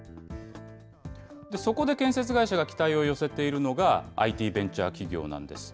そこで建設会社が期待を寄せているのが、ＩＴベンチャー企業なんです。